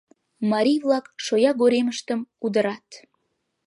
Марий-влак шоягоремыштым удырат.